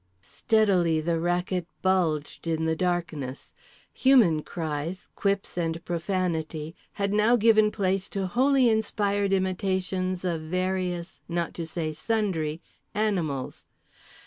Steadily the racket bulged in the darkness. Human cries, quips and profanity had now given place to wholly inspired imitations of various, not to say sundry, animals.